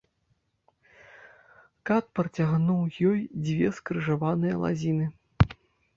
Кат працягнуў ёй дзве скрыжаваныя лазіны.